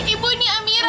ibu ini amira